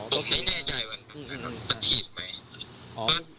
ผมไม่แน่ใจว่านั้นก็ทีดไหม